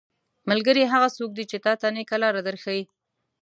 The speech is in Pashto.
ملګری هغه څوک دی چې تاته نيکه لاره در ښيي.